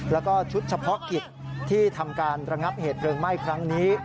แล้วก็ชุดเฉพาะกิจที่ทำการระงับเหตุเพลิงไหม้ครั้งนี้